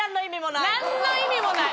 なんの意味もない。